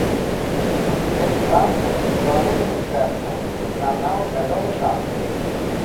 Гэты бразгат скалануў яму сэрца, нагнаў невядомы жах.